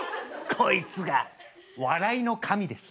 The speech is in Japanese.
こいつが笑いの神です。